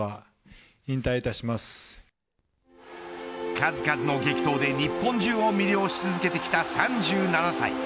数々の激闘で日本中を魅了し続けてきた３７歳。